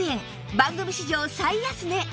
番組史上最安値